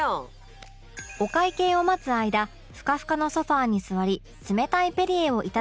お会計を待つ間ふかふかのソファに座り冷たいペリエをいただく ＶＩＰ 感